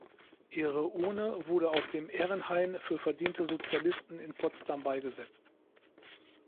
Ihre Urne wurde auf dem "Ehrenhain für verdiente Sozialisten" in Potsdam beigesetzt.